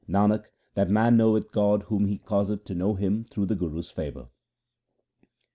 Nanak, that man knoweth God whom he causeth to know Him through the Guru's favour.